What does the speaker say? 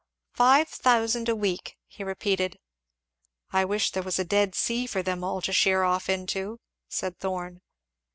"Five thousand a week!" he repeated. "I wish there was a Dead Sea for them all to sheer off into!" said Thorn.